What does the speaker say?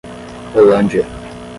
Rolândia